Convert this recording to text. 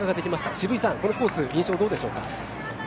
渋井さん、このコース印象どうでしょうか？